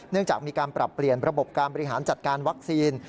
จากมีการปรับเปลี่ยนระบบการบริหารจัดการวัคซีน